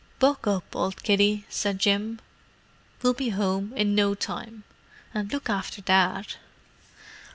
"Buck up, old kiddie," said Jim. "We'll be home in no time. And look after Dad."